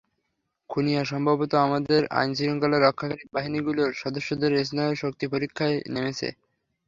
খুনিরা সম্ভবত আমাদের আইনশৃঙ্খলা রক্ষাকারী বাহিনীগুলোর সদস্যদের স্নায়ুর শক্তি পরীক্ষায় নেমেছে।